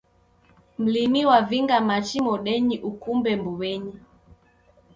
Mlimi wavinga machi modeni ukumbe mbuw'enyi